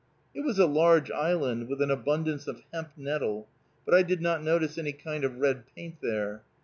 It was a large island, with an abundance of hemp nettle, but I did not notice any kind of red paint there.